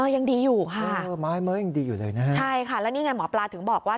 ยังดีอยู่ค่ะใช่ค่ะแล้วนี่ไงหมอปลาถึงบอกว่า